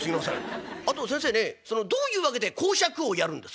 あと先生ねどういう訳で講釈をやるんですか？」。